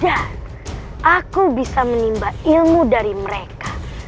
ya aku bisa menimba ilmu dari mereka